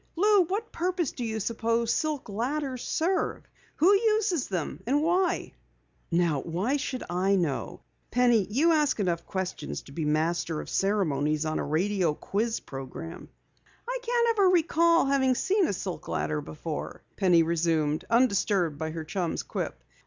"Lou, what purpose do you suppose silk ladders serve? Who uses them and why?" "Now, how should I know? Penny, you ask enough questions to be master of ceremonies on a radio quiz program." "I can't recall ever having seen a silk ladder before," Penny resumed, undisturbed by her chum's quip.